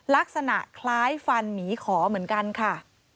ลักษณะคล้ายฟันหมีขอเหมือนกันค่ะ